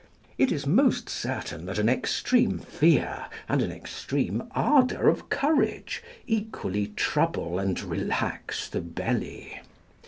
It is most certain that an extreme fear and an extreme ardour of courage equally trouble and relax the belly.